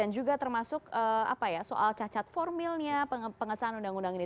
juga termasuk apa ya soal cacat formilnya pengesahan undang undang ini